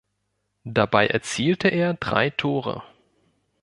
Dabei erzielte er drei Tore.